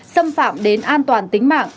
xâm phạm đến an toàn tính mạng